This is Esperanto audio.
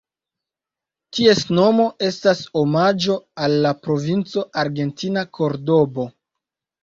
Ties nomo estas omaĝo al la provinco argentina Kordobo.